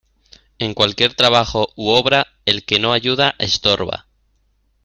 En cualquier trabajo u obra, el que no ayuda estorba.